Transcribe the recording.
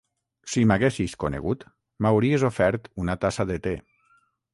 Si m'haguessis conegut, m'hauries ofert una tassa de te.